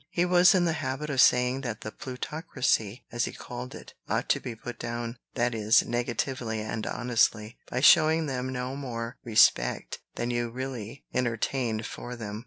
He was in the habit of saying that the plutocracy, as he called it, ought to be put down, that is, negatively and honestly, by showing them no more respect than you really entertained for them.